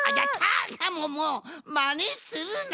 もうまねするな！